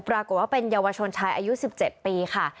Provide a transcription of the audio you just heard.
ปรากฏว่าเป็นเยาวชนชายอายุ๑๗ปีค่ะ